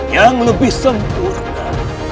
yang lebih sempurna